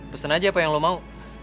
pesan aja apa yang lo mau